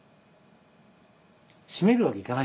閉めるわけいかないんですよ